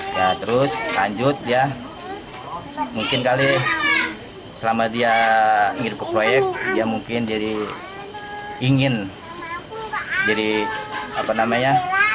nah terus lanjut dia mungkin kali selama dia ngirip ke proyek dia mungkin jadi ingin jadi apa namanya